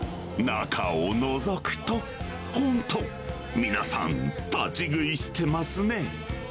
中をのぞくと、本当、皆さん、立ち食いしてますね。